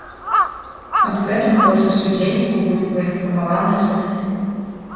Аб гэтым кожны з удзельнікаў будзе паінфармаваны асабіста.